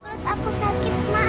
perut aku sakit ma